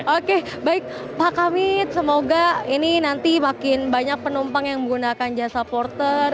oke baik pak kamit semoga ini nanti makin banyak penumpang yang menggunakan jasa porter